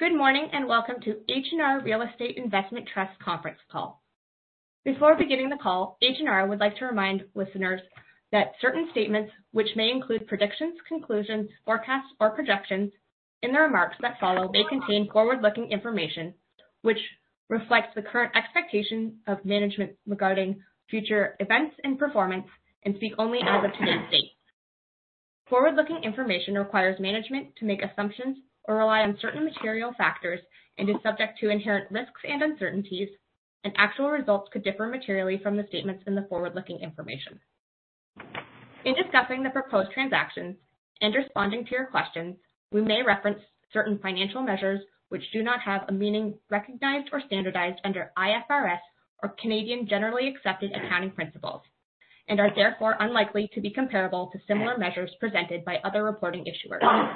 Good morning, and welcome to H&R Real Estate Investment Trust conference call. Before beginning the call, H&R would like to remind listeners that certain statements which may include predictions, conclusions, forecasts, or projections in the remarks that follow may contain forward-looking information which reflects the current expectation of management regarding future events and performance and speak only as of today's date. Forward-looking information requires management to make assumptions or rely on certain material factors and is subject to inherent risks and uncertainties, and actual results could differ materially from the statements in the forward-looking information. In discussing the proposed transactions and responding to your questions, we may reference certain financial measures which do not have a meaning recognized or standardized under IFRS or Canadian generally accepted accounting principles and are therefore unlikely to be comparable to similar measures presented by other reporting issuers.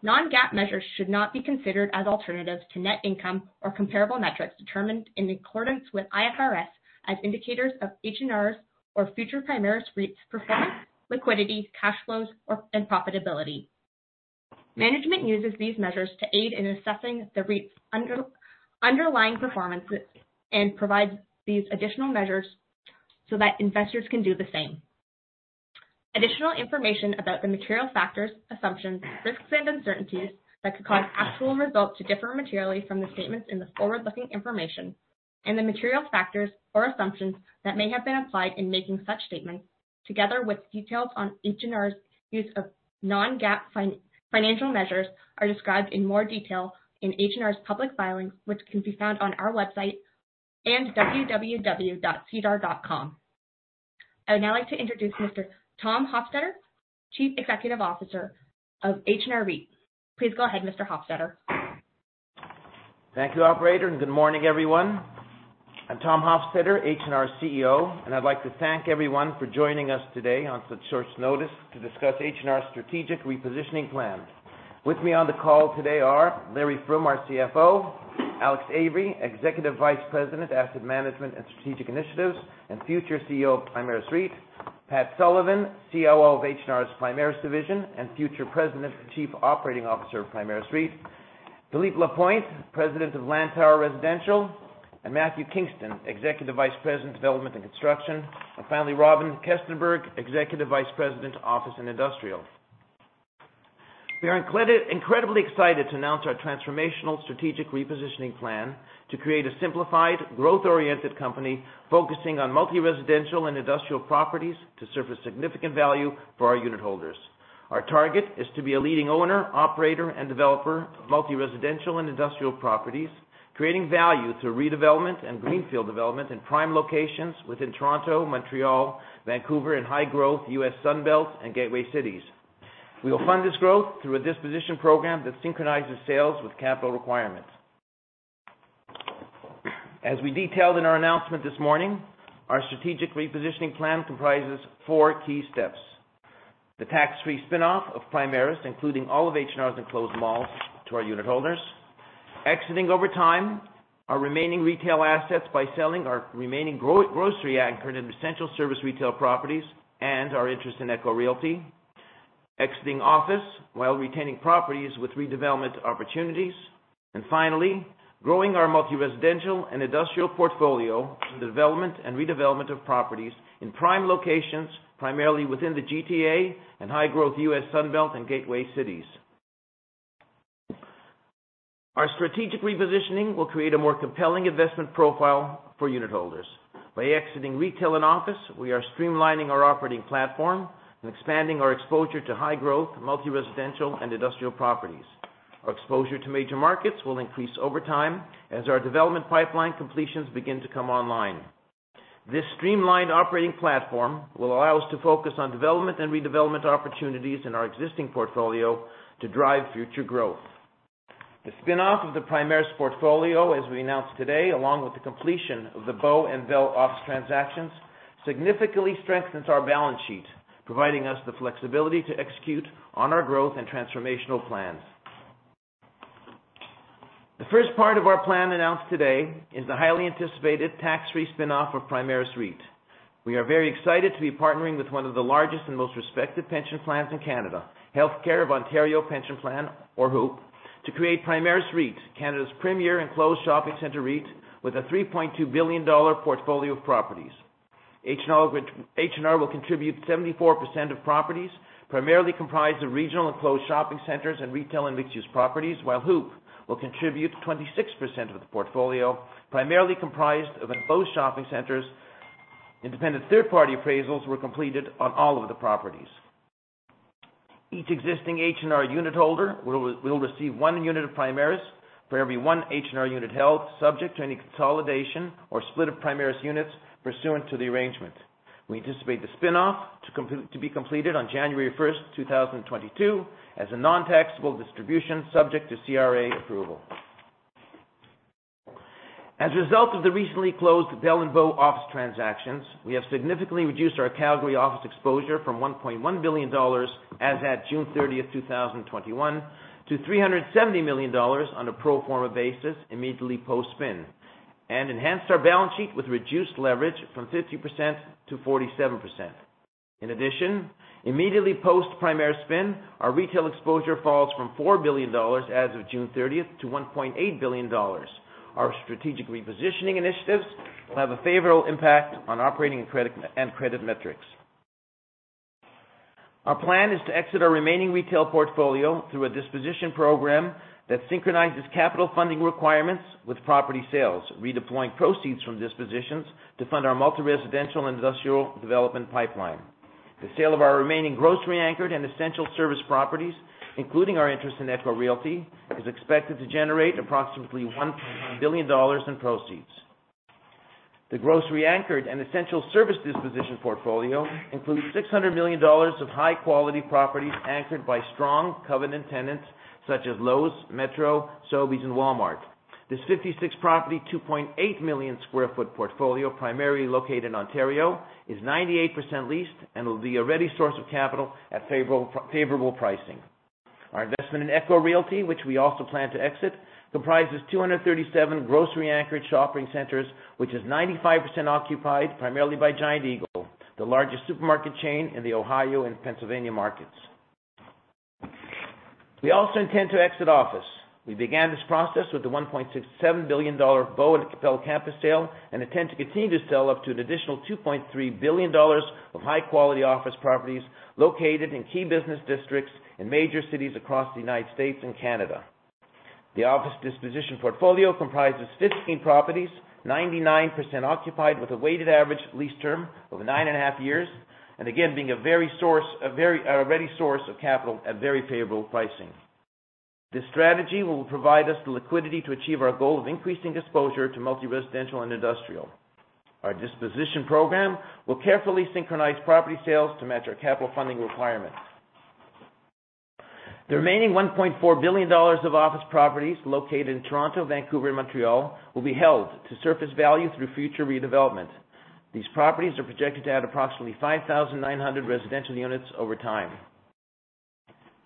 Non-GAAP measures should not be considered as alternatives to net income or comparable metrics determined in accordance with IFRS as indicators of H&R's or future Primaris REIT's performance, liquidity, cash flows, or profitability. Management uses these measures to aid in assessing the REIT's underlying performance and provides these additional measures so that investors can do the same. Additional information about the material factors, assumptions, risks, and uncertainties that could cause actual results to differ materially from the statements in the forward-looking information and the material factors or assumptions that may have been applied in making such statements, together with details on H&R's use of non-GAAP financial measures, are described in more detail in H&R's public filings, which can be found on our website and www.sedar.com. I would now like to introduce Mr. Thomas Hofstedter, Chief Executive Officer of H&R REIT. Please go ahead, Mr. Hofstedter. Thank you, operator, and good morning, everyone. I'm Thomas Hofstedter, H&R's CEO, and I'd like to thank everyone for joining us today on such short notice to discuss H&R's strategic repositioning plan. With me on the call today are Larry Froom, our CFO, Alex Avery, Executive Vice President, Asset Management and Strategic Initiatives, and future CEO of Primaris REIT, Patrick Sullivan, COO of H&R's Primaris division and future President and Chief Operating Officer of Primaris REIT, Philippe Lapointe, President of Lantower Residential, and Matthew Kingston, Executive Vice President, Development and Construction, and finally, Robyn Kestenberg, Executive Vice President, Office and Industrial. We are incredibly excited to announce our transformational strategic repositioning plan to create a simplified, growth-oriented company focusing on multi-residential and industrial properties to surface significant value for our unitholders. Our target is to be a leading owner, operator, and developer of multi-residential and industrial properties, creating value through redevelopment and greenfield development in prime locations within Toronto, Montreal, Vancouver, and high-growth U.S. Sun Belt and gateway cities. We will fund this growth through a disposition program that synchronizes sales with capital requirements. As we detailed in our announcement this morning, our strategic repositioning plan comprises four key steps, the tax-free spinoff of Primaris, including all of H&R's enclosed malls, to our unitholders, exiting over time our remaining retail assets by selling our remaining grocery anchor and essential service retail properties and our interest in ECHO Realty, exiting office while retaining properties with redevelopment opportunities, and finally, growing our multi-residential and industrial portfolio through the development and redevelopment of properties in prime locations, primarily within the GTA and high-growth U.S. Sun Belt and gateway cities. Our strategic repositioning will create a more compelling investment profile for unitholders. By exiting retail and office, we are streamlining our operating platform and expanding our exposure to high-growth multi-residential and industrial properties. Our exposure to major markets will increase over time as our development pipeline completions begin to come online. This streamlined operating platform will allow us to focus on development and redevelopment opportunities in our existing portfolio to drive future growth. The spinoff of the Primaris portfolio, as we announced today, along with the completion of the Bow and Bell office transactions, significantly strengthens our balance sheet, providing us the flexibility to execute on our growth and transformational plans. The first part of our plan announced today is the highly anticipated tax-free spinoff of Primaris REIT. We are very excited to be partnering with one of the largest and most respected pension plans in Canada, Healthcare of Ontario Pension Plan, or HOOPP, to create Primaris REIT, Canada's premier enclosed shopping center REIT, with a 3.2 billion dollar portfolio of properties. H&R will contribute 74% of properties, primarily comprised of regional enclosed shopping centers and retail and mixed-use properties, while HOOPP will contribute 26% of the portfolio, primarily comprised of enclosed shopping centers. Independent third-party appraisals were completed on all of the properties. Each existing H&R unitholder will receive one unit of Primaris for every one H&R unit held, subject to any consolidation or split of Primaris units pursuant to the arrangement. We anticipate the spinoff to be completed on January 1st, 2022, as a non-taxable distribution subject to CRA approval. As a result of the recently closed Bell and Bow office transactions, we have significantly reduced our Calgary office exposure from 1.1 billion dollars as at June 30th, 2021, to 370 million dollars on a pro forma basis immediately post-spin, and enhanced our balance sheet with reduced leverage from 50%-47%. In addition, immediately post Primaris spin, our retail exposure falls from 4 billion dollars as of June 30th to 1.8 billion dollars. Our strategic repositioning initiatives will have a favorable impact on operating and credit metrics. Our plan is to exit our remaining retail portfolio through a disposition program that synchronizes capital funding requirements with property sales, redeploying proceeds from dispositions to fund our multi-residential industrial development pipeline. The sale of our remaining grocery anchored and essential service properties, including our interest in ECHO Realty, is expected to generate approximately 1 billion dollars in proceeds. The grocery anchored and essential service disposition portfolio includes 600 million dollars of high-quality properties anchored by strong covenant tenants such as Lowe's, Metro, Sobeys, and Walmart. This 56-property, 2.8 million sq ft portfolio, primarily located in Ontario, is 98% leased and will be a ready source of capital at favorable pricing. Our investment in ECHO Realty, which we also plan to exit, comprises 237 grocery anchored shopping centers, which is 95% occupied primarily by Giant Eagle, the largest supermarket chain in the Ohio and Pennsylvania markets. We also intend to exit office. We began this process with the 1.67 billion dollar Bell Campus sale, and intend to continue to sell up to an additional 2.3 billion dollars of high-quality office properties located in key business districts in major cities across the United States and Canada. The office disposition portfolio comprises 15 properties, 99% occupied with a weighted average lease term of 9.5 years, and again, being a ready source of capital at very favorable pricing. This strategy will provide us the liquidity to achieve our goal of increasing exposure to multi-residential and industrial. Our disposition program will carefully synchronize property sales to match our capital funding requirements. The remaining 1.4 billion dollars of office properties located in Toronto, Vancouver, and Montreal will be held to realize value through future redevelopment. These properties are projected to add approximately 5,900 residential units over time.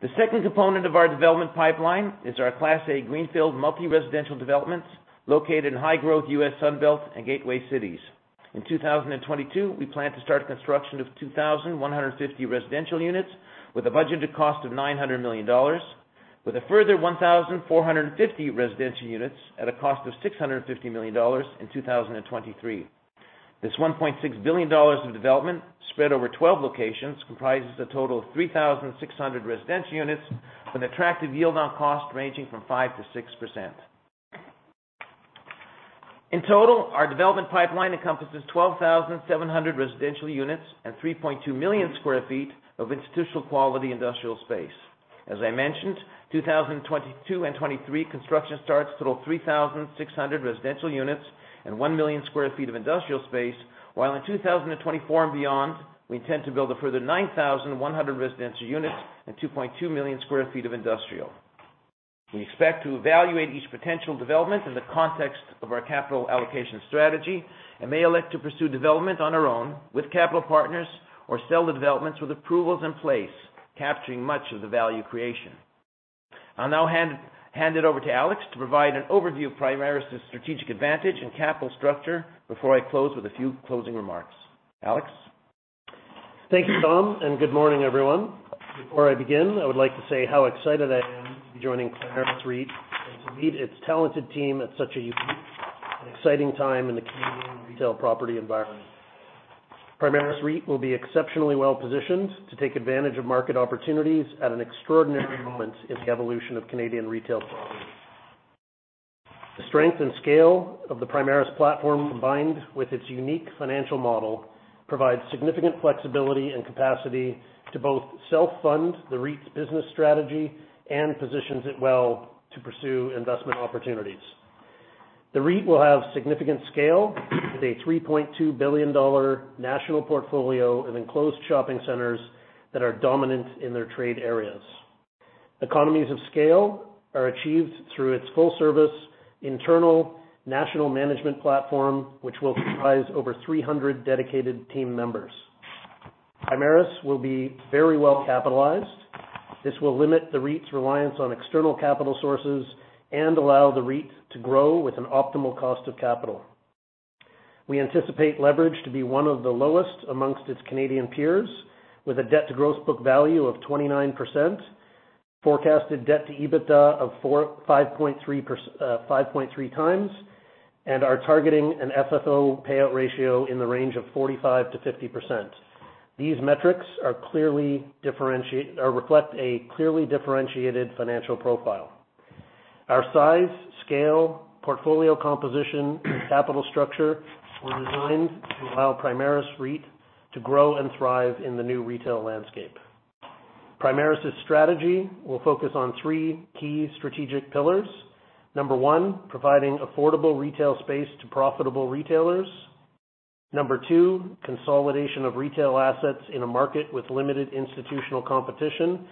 The second component of our development pipeline is our class A greenfield multi-residential developments located in high growth U.S. Sun Belt and gateway cities. In 2022, we plan to start construction of 2,150 residential units with a budgeted cost of $900 million, with a further 1,450 residential units at a cost of $650 million in 2023. This $1.6 billion of development spread over 12 locations comprises a total of 3,600 residential units with an attractive yield on cost ranging from 5%-6%. In total, our development pipeline encompasses 12,700 residential units and 3.2 million sq ft of institutional quality industrial space. As I mentioned, 2022 and 2023 construction starts total 3,600 residential units and 1 million sq ft of industrial space, while in 2024 and beyond, we intend to build a further 9,100 residential units and 2.2 million sq ft of industrial. We expect to evaluate each potential development in the context of our capital allocation strategy and may elect to pursue development on our own with capital partners or sell the developments with approvals in place, capturing much of the value creation. I'll now hand it over to Alex to provide an overview of Primaris's strategic advantage and capital structure before I close with a few closing remarks. Alex? Thank you, Tom, and good morning, everyone. Before I begin, I would like to say how excited I am to be joining Primaris REIT and to lead its talented team at such a unique and exciting time in the Canadian retail property environment. Primaris REIT will be exceptionally well positioned to take advantage of market opportunities at an extraordinary moment in the evolution of Canadian retail properties. The strength and scale of the Primaris platform, combined with its unique financial model, provides significant flexibility and capacity to both self-fund the REIT's business strategy and positions it well to pursue investment opportunities. The REIT will have significant scale with a 3.2 billion dollar national portfolio of enclosed shopping centers that are dominant in their trade areas. Economies of scale are achieved through its full service internal national management platform, which will comprise over 300 dedicated team members. Primaris will be very well capitalized. This will limit the REIT's reliance on external capital sources and allow the REIT to grow with an optimal cost of capital. We anticipate leverage to be one of the lowest amongst its Canadian peers, with a debt to gross book value of 29%, forecasted debt to EBITDA of 5.3x, and are targeting an FFO payout ratio in the range of 45%-50%. These metrics clearly reflect a clearly differentiated financial profile. Our size, scale, portfolio composition, and capital structure were designed to allow Primaris REIT to grow and thrive in the new retail landscape. Primaris's strategy will focus on three key strategic pillars. Number one, providing affordable retail space to profitable retailers. Number two, consolidation of retail assets in a market with limited institutional competition.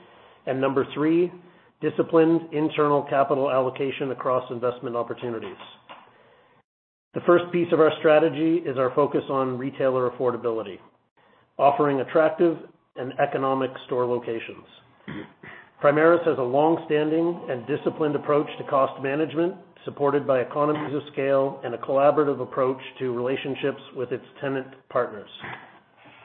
Number three, disciplined internal capital allocation across investment opportunities. The first piece of our strategy is our focus on retailer affordability, offering attractive and economic store locations. Primaris has a long-standing and disciplined approach to cost management, supported by economies of scale and a collaborative approach to relationships with its tenant partners.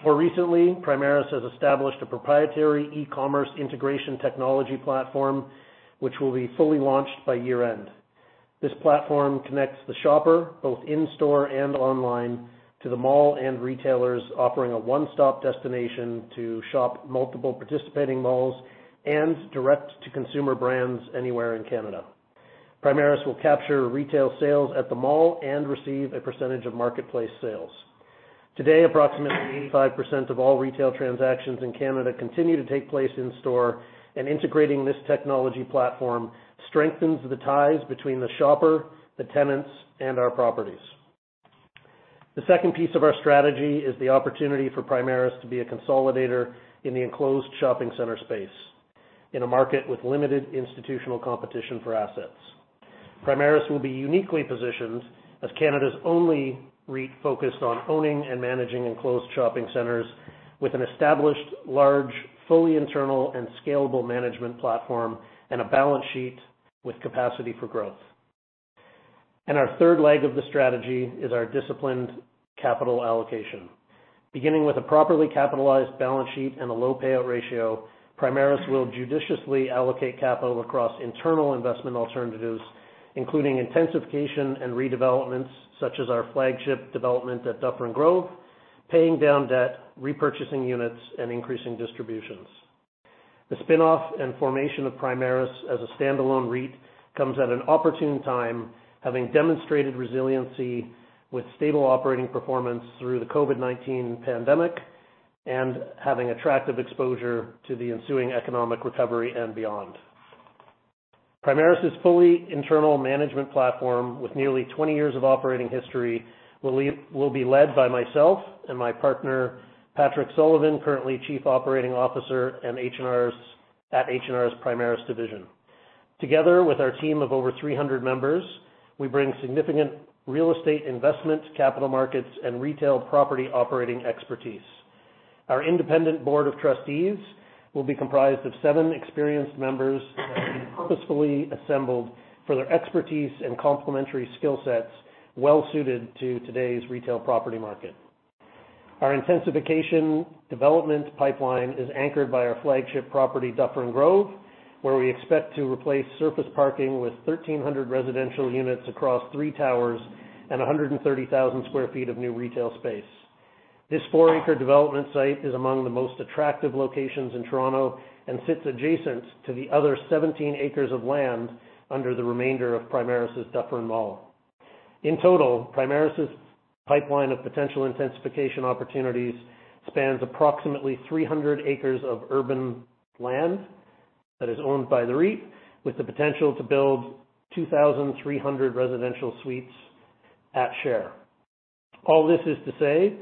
More recently, Primaris has established a proprietary e-commerce integration technology platform, which will be fully launched by year-end. This platform connects the shopper, both in-store and online, to the mall and retailers offering a one-stop destination to shop multiple participating malls and direct-to-consumer brands anywhere in Canada. Primaris will capture retail sales at the mall and receive a percentage of marketplace sales. Today, approximately 85% of all retail transactions in Canada continue to take place in-store, and integrating this technology platform strengthens the ties between the shopper, the tenants, and our properties. The second piece of our strategy is the opportunity for Primaris to be a consolidator in the enclosed shopping center space in a market with limited institutional competition for assets. Primaris will be uniquely positioned as Canada's only REIT focused on owning and managing enclosed shopping centers with an established, large, fully internal and scalable management platform and a balance sheet with capacity for growth. Our third leg of the strategy is our disciplined capital allocation. Beginning with a properly capitalized balance sheet and a low payout ratio, Primaris will judiciously allocate capital across internal investment alternatives, including intensification and redevelopments, such as our flagship development at Dufferin Grove, paying down debt, repurchasing units, and increasing distributions. The spin-off and formation of Primaris as a standalone REIT comes at an opportune time, having demonstrated resiliency with stable operating performance through the COVID-19 pandemic and having attractive exposure to the ensuing economic recovery and beyond. Primaris' fully internal management platform with nearly 20 years of operating history will be led by myself and my partner, Patrick Sullivan, currently Chief Operating Officer at H&R's Primaris division. Together with our team of over 300 members, we bring significant real estate investment, capital markets, and retail property operating expertise. Our independent board of trustees will be comprised of seven experienced members purposefully assembled for their expertise and complementary skill sets well-suited to today's retail property market. Our intensification development pipeline is anchored by our flagship property, Dufferin Grove, where we expect to replace surface parking with 1,300 residential units across three towers and 130,000 sq ft of new retail space. This four-acre development site is among the most attractive locations in Toronto and sits adjacent to the other 17 acres of land under the remainder of Primaris' Dufferin Mall. In total, Primaris' pipeline of potential intensification opportunities spans approximately 300 acres of urban land that is owned by the REIT, with the potential to build 2,300 residential suites at Share. All this is to say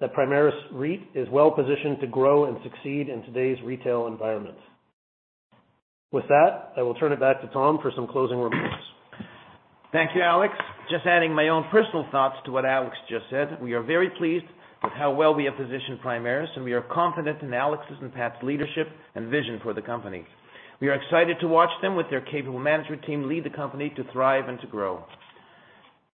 that Primaris REIT is well-positioned to grow and succeed in today's retail environment. With that, I will turn it back to Tom for some closing remarks. Thank you, Alex. Just adding my own personal thoughts to what Alex just said. We are very pleased with how well we have positioned Primaris, and we are confident in Alex's and Pat's leadership and vision for the company. We are excited to watch them with their capable management team, lead the company to thrive and to grow.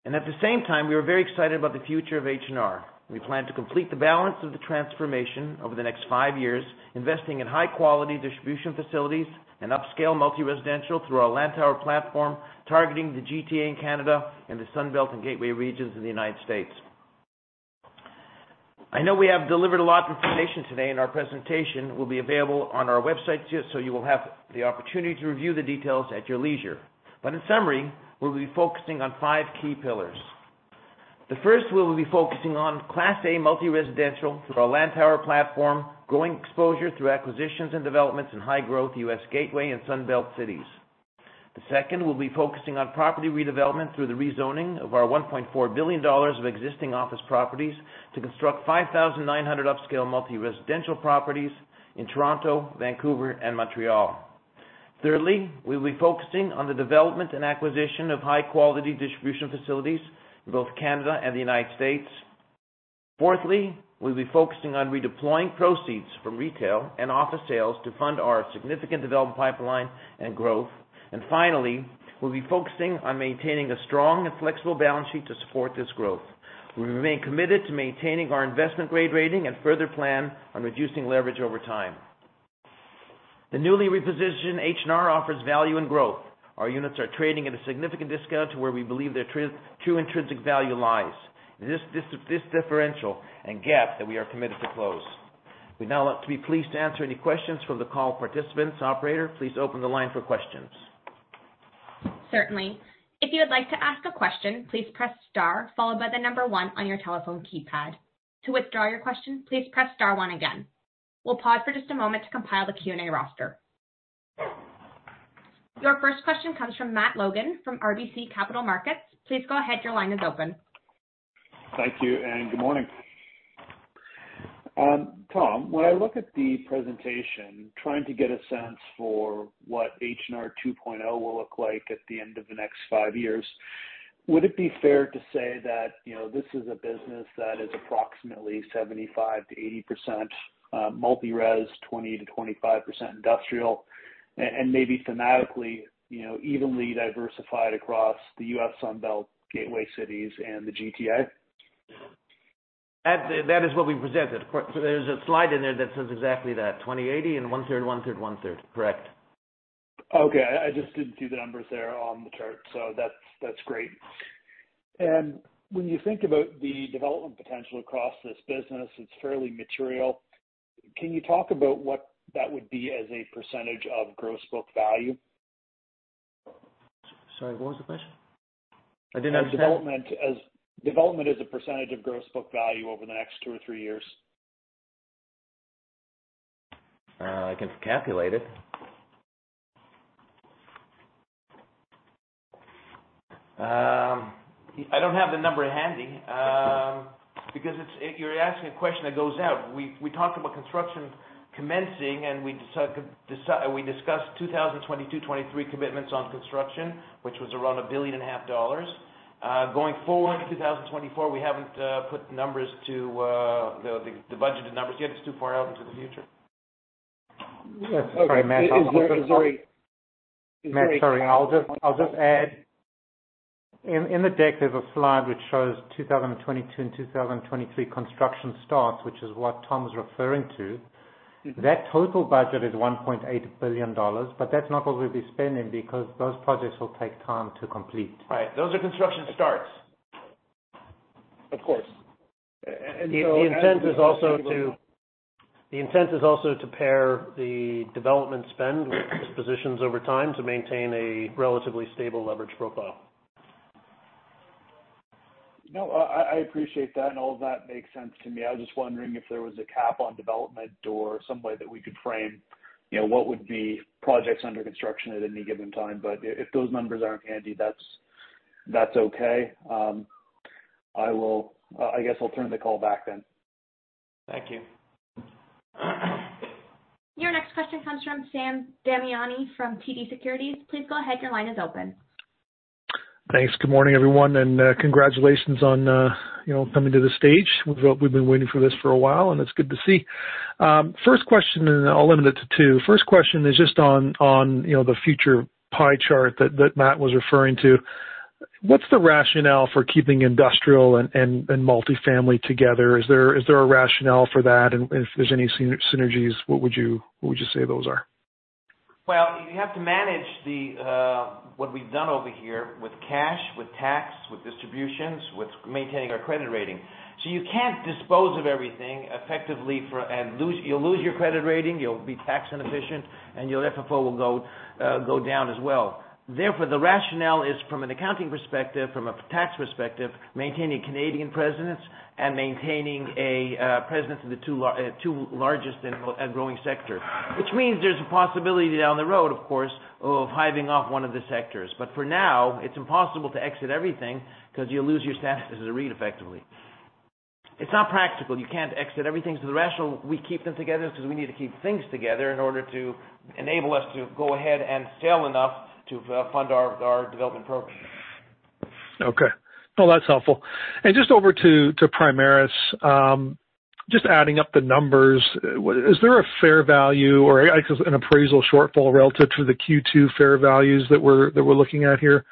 At the same time, we are very excited about the future of H&R. We plan to complete the balance of the transformation over the next five years, investing in high-quality distribution facilities and upscale multi-residential through our Lantower platform, targeting the GTA in Canada and the Sun Belt and gateway regions in the United States. I know we have delivered a lot of information today, and our presentation will be available on our website too, so you will have the opportunity to review the details at your leisure. In summary, we'll be focusing on five key pillars. The first, we will be focusing on Class A multi-residential through our Lantower platform, growing exposure through acquisitions and developments in high-growth U.S. gateway and Sun Belt cities. The second, we'll be focusing on property redevelopment through the rezoning of our 1.4 billion dollars of existing office properties to construct 5,900 upscale multi-residential properties in Toronto, Vancouver, and Montreal. Thirdly, we'll be focusing on the development and acquisition of high-quality distribution facilities in both Canada and the United States. Fourthly, we'll be focusing on redeploying proceeds from retail and office sales to fund our significant development pipeline and growth. Finally, we'll be focusing on maintaining a strong and flexible balance sheet to support this growth. We remain committed to maintaining our investment-grade rating and further plan on reducing leverage over time. The newly repositioned H&R offers value and growth. Our units are trading at a significant discount to where we believe their true intrinsic value lies, this differential and gap that we are committed to close. We'd now be pleased to answer any questions from the call participants. Operator, please open the line for questions. Certainly. If you would like to ask a question, please press star followed by the number one on your telephone keypad. To withdraw your question, please press star one again. We'll pause for just a moment to compile the Q&A roster. Your first question comes from Matt Logan from RBC Capital Markets. Please go ahead. Your line is open. Thank you and good morning. Tom, when I look at the presentation, I'm trying to get a sense for what H&R 2.0 will look like at the end of the next five years. Would it be fair to say that, you know, this is a business that is approximately 75%-80% multi-res, 20%-25% industrial, and maybe thematically, you know, evenly diversified across the U.S. Sun Belt, gateway cities and the GTA? That is what we presented. Of course, there's a slide in there that says exactly that, 20/80 and 1/3, 1/3, 1/3. Correct. Okay. I just didn't see the numbers there on the chart. That's great. When you think about the development potential across this business, it's fairly material. Can you talk about what that would be as a percentage of gross book value? Sorry, what was the question? I didn't understand. As development as a percentage of gross book value over the next two or three years. I can calculate it. I don't have the number handy, because you're asking a question that goes out. We talked about construction commencing, and we discussed 2022, 2023 commitments on construction, which was around 1.5 billion. Going forward to 2024, we haven't put numbers to the budgeted numbers yet. It's too far out into the future. Sorry, Matt. It's very. Matt, sorry. I'll just add. In the deck there's a slide which shows 2022 and 2023 construction starts, which is what Tom was referring to that total budget is 1.8 billion dollars, but that's not what we'll be spending because those projects will take time to complete. Right. Those are construction starts. Of course. The intent is also to pair the development spend with dispositions over time to maintain a relatively stable leverage profile. No, I appreciate that, and all of that makes sense to me. I was just wondering if there was a cap on development or some way that we could frame, you know, what would be projects under construction at any given time. But if those numbers aren't handy, that's okay. I guess I'll turn the call back then. Thank you. Your next question comes from Sam Damiani from TD Securities. Please go ahead. Your line is open. Thanks. Good morning, everyone, and congratulations on you know, coming to the stage. We've been waiting for this for a while, and it's good to see. First question, and I'll limit it to two. First question is just on you know, the future pie chart that Matt was referring to. What's the rationale for keeping industrial and multifamily together? Is there a rationale for that? And if there's any synergies, what would you say those are? Well, you have to manage what we've done over here with cash, with tax, with distributions, with maintaining our credit rating. You can't dispose of everything effectively. You'll lose your credit rating, you'll be tax inefficient, and your FFO will go down as well. Therefore, the rationale is from an accounting perspective, from a tax perspective, maintaining Canadian presence and maintaining a presence in the two largest and growing sector. Which means there's a possibility down the road, of course, of hiving off one of the sectors. For now, it's impossible to exit everything because you'll lose your status as a REIT effectively. It's not practical. You can't exit everything. The rationale, we keep them together is because we need to keep things together in order to enable us to go ahead and sell enough to fund our development program. Okay. No, that's helpful. Just over to Primaris. Just adding up the numbers, is there a fair value or I guess an appraisal shortfall relative to the Q2 fair values that we're looking at here?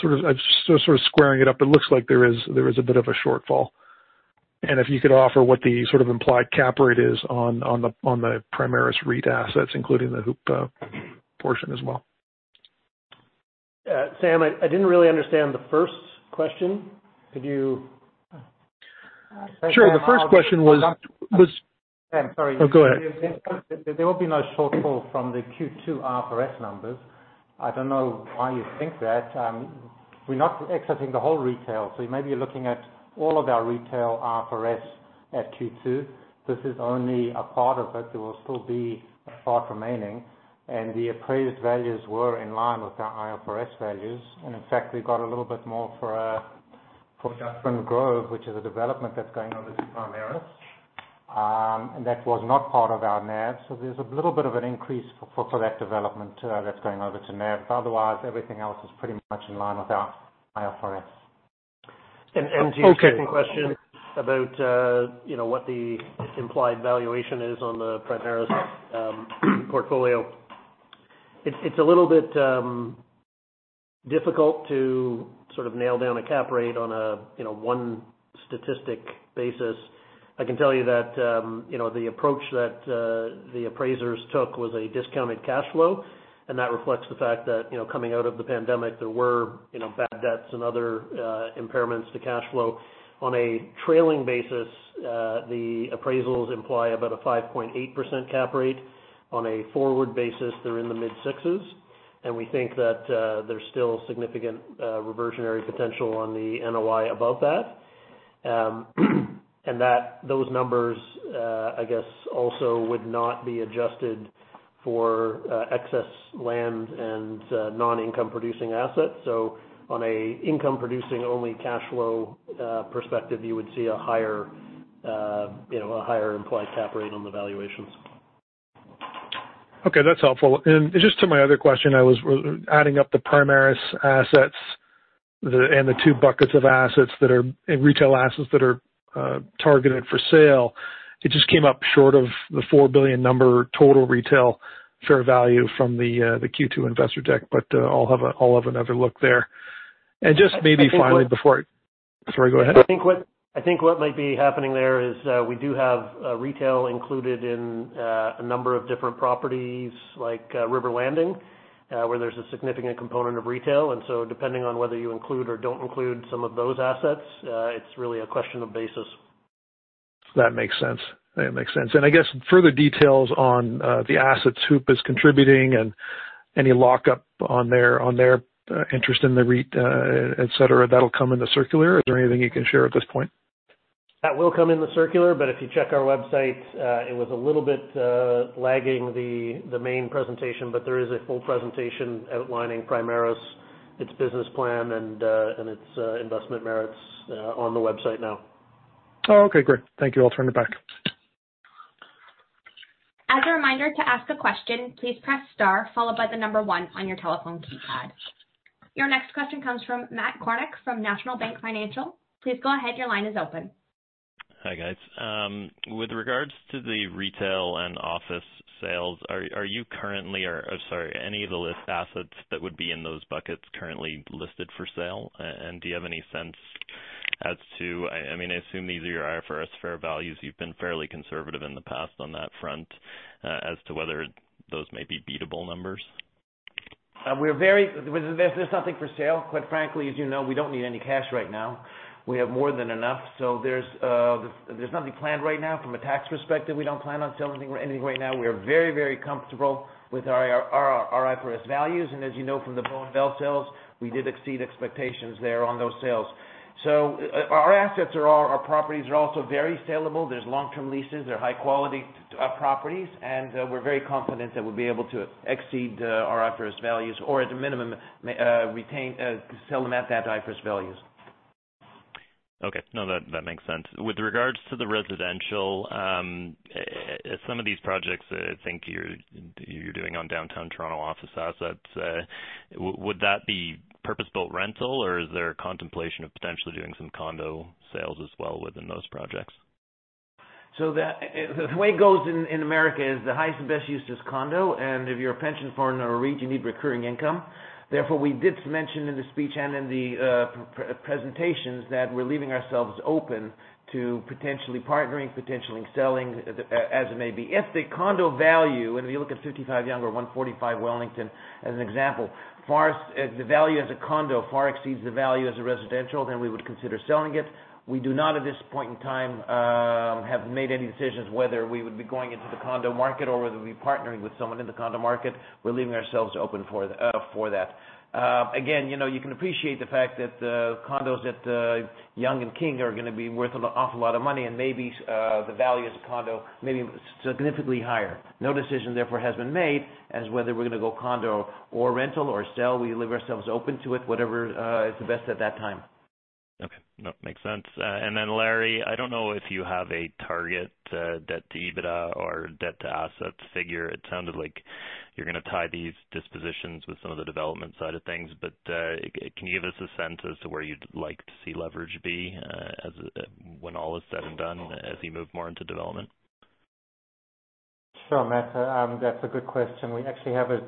Sort of squaring it up, it looks like there is a bit of a shortfall. If you could offer what the sort of implied cap rate is on the Primaris REIT assets, including the H&R portion as well. Sam, I didn't really understand the first question. Could you. Sure. The first question was Sam, sorry. Oh, go ahead. There will be no shortfall from the Q2 IFRS numbers. I don't know why you think that. We're not exiting the whole retail, so maybe you're looking at all of our retail IFRS at Q2. This is only a part of it. There will still be a part remaining. The appraised values were in line with our IFRS values. In fact, we got a little bit more for Dufferin Grove, which is a development that's going over to Primaris, and that was not part of our NAV. There's a little bit of an increase for that development that's going over to NAV. Otherwise, everything else is pretty much in line with our IFRS. Okay. To your second question about, you know, what the implied valuation is on the Primaris portfolio. It's a little bit difficult to sort of nail down a cap rate on a, you know, one statistic basis. I can tell you that, you know, the approach that the appraisers took was a discounted cash flow, and that reflects the fact that, you know, coming out of the pandemic, there were, you know, bad debts and other impairments to cash flow. On a trailing basis, the appraisals imply about a 5.8% cap rate. On a forward basis, they're in the mid-sixes, and we think that there's still significant reversionary potential on the NOI above that. Those numbers, I guess, also would not be adjusted for excess land and non-income producing assets. On a income-producing only cash flow perspective, you would see a higher, you know, implied cap rate on the valuations. Okay, that's helpful. Just to my other question, I was adding up the Primaris assets and the two buckets of assets that are in retail assets that are targeted for sale. It just came up short of the 4 billion number total retail fair value from the Q2 investor deck. I'll have another look there. Just maybe finally before, Sorry, go ahead. I think what might be happening there is, we do have retail included in a number of different properties like River Landing, where there's a significant component of retail. Depending on whether you include or don't include some of those assets, it's really a question of basis. That makes sense. I guess further details on the assets HOOPP is contributing and any lockup on their interest in the REIT, et cetera. That'll come in the circular. Is there anything you can share at this point? That will come in the circular, but if you check our website, it was a little bit lagging the main presentation, but there is a full presentation outlining Primaris, its business plan, and its investment merits on the website now. Oh, okay. Great. Thank you. I'll turn it back. Your next question comes from Matt Kornack from National Bank Financial. Please go ahead. Your line is open. Hi, guys. With regards to the retail and office sales, are any of the listed assets that would be in those buckets currently listed for sale? Do you have any sense as to, I mean, I assume these are your IFRS fair values. You've been fairly conservative in the past on that front, as to whether those may be beatable numbers. There's nothing for sale, quite frankly. As you know, we don't need any cash right now. We have more than enough. There's nothing planned right now from a tax perspective. We don't plan on selling anything right now. We are very, very comfortable with our IFRS values. As you know, from the Bow and Bell sales, we did exceed expectations there on those sales. Our assets are all, our properties are also very sellable. There's long-term leases. They're high quality properties, and we're very confident that we'll be able to exceed our IFRS values or at a minimum, sell them at that IFRS values. Okay. No, that makes sense. With regards to the residential, some of these projects I think you're doing on downtown Toronto office assets, would that be purpose-built rental or is there a contemplation of potentially doing some condo sales as well within those projects? The way it goes in America is the highest and best use is condo. If you're a pension fund or a REIT, you need recurring income. Therefore, we did mention in the speech and in the presentations that we're leaving ourselves open to potentially partnering, potentially selling as it may be. If the condo value, and if you look at 55 Yonge or 145 Wellington as an example, the value as a condo far exceeds the value as a residential, then we would consider selling it. We do not at this point in time have made any decisions whether we would be going into the condo market or whether we'd be partnering with someone in the condo market. We're leaving ourselves open for that. Again, you know, you can appreciate the fact that condos at Yonge and King are gonna be worth an awful lot of money and maybe the value as a condo may be significantly higher. No decision, therefore, has been made as whether we're gonna go condo or rental or sell. We leave ourselves open to it, whatever is the best at that time. Okay. No, makes sense. And then Larry, I don't know if you have a target debt to EBITDA or debt to assets figure. It sounded like you're gonna tie these dispositions with some of the development side of things. Can you give us a sense as to where you'd like to see leverage be, as when all is said and done as you move more into development? Sure, Matt. That's a good question. We actually have a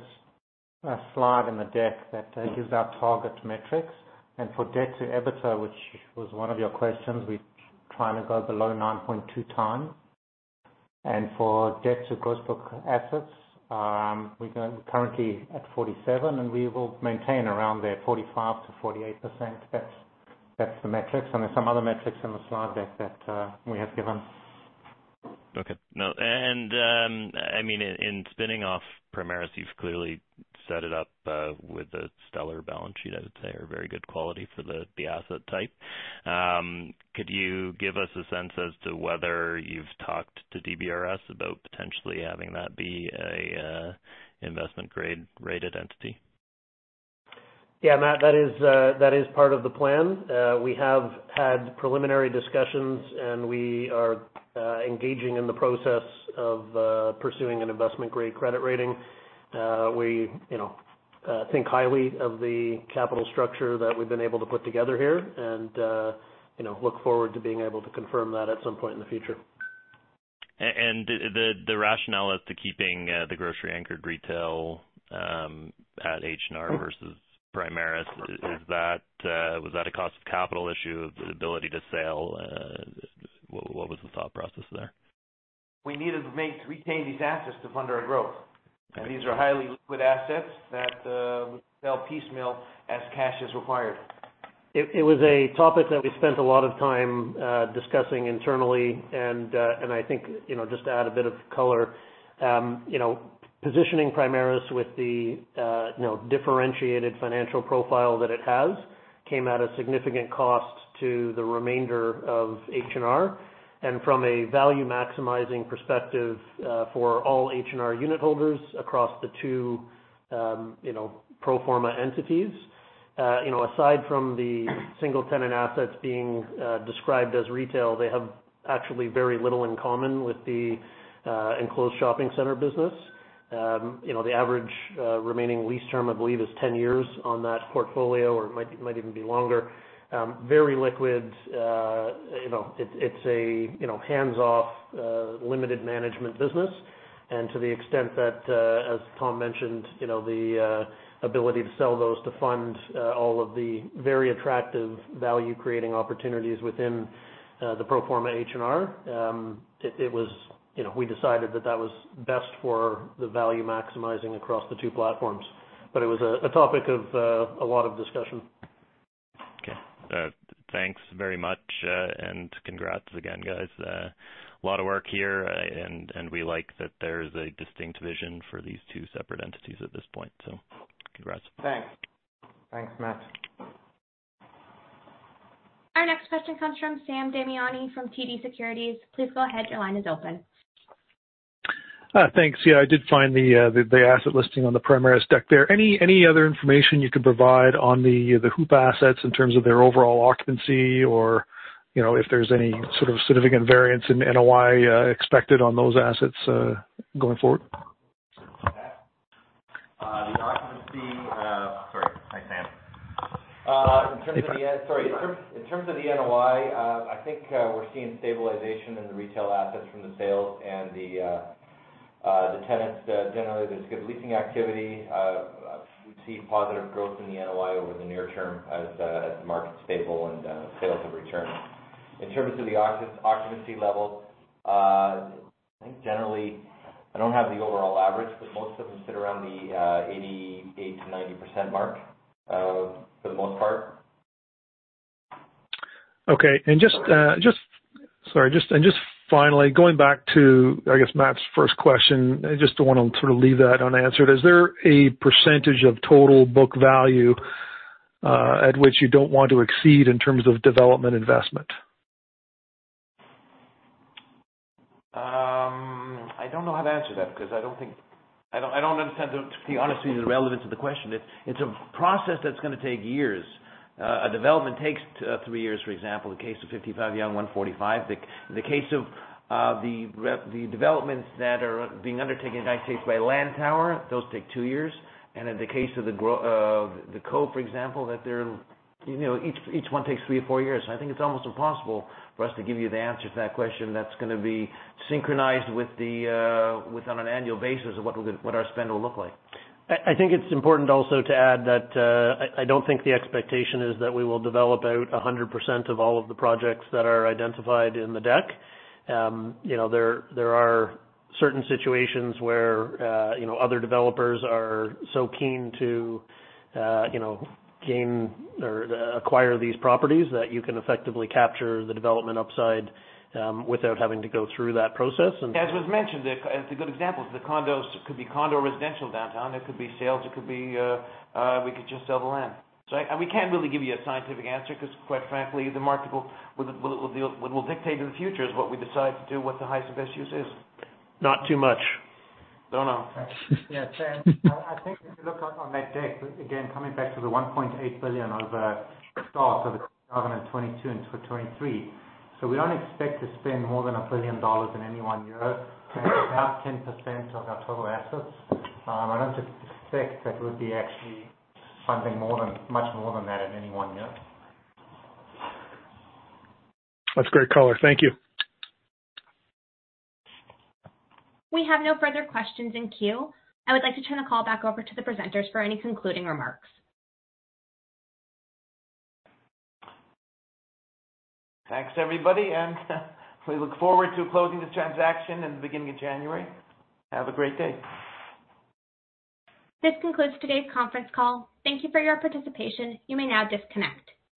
slide in the deck that gives our target metrics. For debt to EBITDA, which was one of your questions, we're trying to go below 9.2 times. For debt to gross book assets, we're currently at 47, and we will maintain around the 45-48%. That's the metrics. There's some other metrics in the slide deck that we have given. I mean, in spinning off Primaris, you've clearly set it up with a stellar balance sheet, I would say, or very good quality for the asset type. Could you give us a sense as to whether you've talked to DBRS about potentially having that be a investment grade rated entity? Yeah. Matt, that is part of the plan. We have had preliminary discussions, and we are engaging in the process of pursuing an investment grade credit rating. We, you know, think highly of the capital structure that we've been able to put together here and, you know, look forward to being able to confirm that at some point in the future. The rationale as to keeping the grocery-anchored retail at H&R versus Primaris, is it a cost of capital issue, the ability to sell? What was the thought process there? We needed to maintain these assets to fund our growth. Okay. These are highly liquid assets that we sell piecemeal as cash is required. It was a topic that we spent a lot of time discussing internally. I think, you know, just to add a bit of color, you know, positioning Primaris with the differentiated financial profile that it has came at a significant cost to the remainder of H&R. From a value maximizing perspective for all H&R unit holders across the two pro forma entities, aside from the single tenant assets being described as retail, they have actually very little in common with the enclosed shopping center business. You know, the average remaining lease term, I believe, is 10 years on that portfolio, or it might even be longer. Very liquid. You know, it's a hands-off limited management business. To the extent that, as Tom mentioned, you know, the ability to sell those to fund all of the very attractive value-creating opportunities within the pro forma H&R. It was, you know, we decided that was best for the value maximizing across the two platforms, but it was a topic of a lot of discussion. Okay. Thanks very much, and congrats again, guys. A lot of work here, and we like that there's a distinct vision for these two separate entities at this point. Congrats. Thanks. Thanks, Matt. Our next question comes from Sam Damiani from TD Securities. Please go ahead. Your line is open. Thanks. Yeah, I did find the asset listing on the Primaris deck there. Any other information you could provide on the HOOPP assets in terms of their overall occupancy or, you know, if there's any sort of significant variance in NOI expected on those assets going forward? Sorry. Hi, Sam. Sorry. In terms of the NOI, I think we're seeing stabilization in the retail assets from the sales and the tenants. Generally, there's good leasing activity. We see positive growth in the NOI over the near term as markets stable and sales have returned. In terms of the occupancy levels, I think generally I don't have the overall average, but most of them sit around the 88%-90% mark, for the most part. Just finally, going back to, I guess, Matt's first question. I just don't wanna sort of leave that unanswered. Is there a percentage of total book value at which you don't want to exceed in terms of development investment? I don't know how to answer that because I don't understand, to be honest with you, the relevance of the question. It's a process that's gonna take years. A development takes three years, for example, in case of 55 Yonge 145. The case of the developments that are being undertaken, in that case, by Lantower, those take two years. In the case of The Cove, for example, that they're, you know, each one takes three to four years. I think it's almost impossible for us to give you the answer to that question that's gonna be synchronized with it on an annual basis of what our spend will look like. I think it's important also to add that, I don't think the expectation is that we will develop out 100% of all of the projects that are identified in the deck. You know, there are certain situations where, you know, other developers are so keen to, you know, gain or acquire these properties that you can effectively capture the development upside, without having to go through that process and. As was mentioned, the good example is the condos. It could be condo residential downtown, it could be sales, it could be, we could just sell the land. So we can't really give you a scientific answer because quite frankly, the market will dictate in the future is what we decide to do, what the highest and best use is. Not too much. Don't know. Yeah. I think if you look on that deck, again, coming back to the 1.8 billion of stock for the 2022 into 2023. We don't expect to spend more than 1 billion dollars in any one year. That's about 10% of our total assets. I don't expect that it would be actually funding more than much more than that in any one year. That's great color. Thank you. We have no further questions in queue. I would like to turn the call back over to the presenters for any concluding remarks. Thanks, everybody, and we look forward to closing this transaction in the beginning of January. Have a great day. This concludes today's conference call. Thank you for your participation. You may now disconnect.